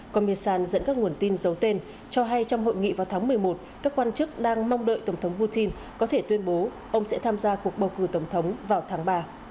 komiarsan dẫn các nguồn tin giấu tên cho hay trong hội nghị vào tháng một mươi một các quan chức đang mong đợi tổng thống putin có thể tuyên bố ông sẽ tham gia cuộc bầu cử tổng thống vào tháng ba